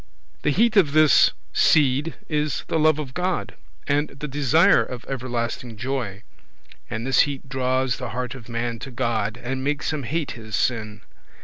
The heat of this seed is the love of God, and the desire of everlasting joy; and this heat draws the heart of man to God, and makes him hate his sin.